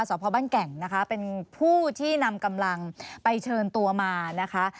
สอบพ่อบ้านแก่งนะคะเป็นผู้ที่นำกำลังไปเชิญตัวมานะคะ